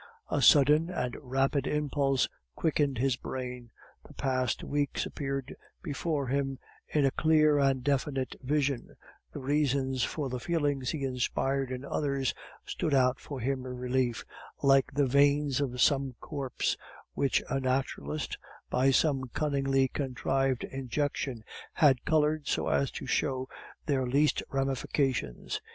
A sudden and rapid impulse quickened his brain; the past weeks appeared before him in a clear and definite vision; the reasons for the feelings he inspired in others stood out for him in relief, like the veins of some corpse which a naturalist, by some cunningly contrived injection, has colored so as to show their least ramifications.